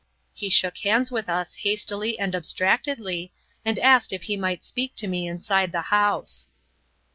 He shook hands with us hastily and abstractedly, and asked if he might speak to me inside the house.